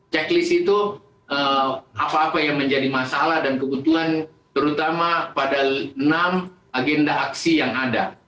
checklist itu apa apa yang menjadi masalah dan kebutuhan terutama pada enam agenda aksi yang ada